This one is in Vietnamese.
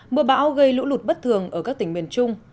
mưa bão gây lũ lụt bất thường ở các tỉnh miền trung